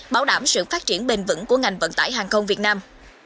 bảo đảm sự phát triển bền vững của ngành vận tải hàng không việt nam